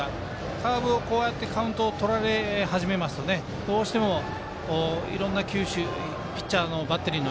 カーブをこうやってカウントをとられはじめますとどうしてもいろんな球種でバッテリーの